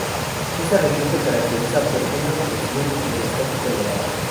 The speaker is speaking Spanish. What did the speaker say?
Esta región se caracteriza por una presión hidrostática elevada.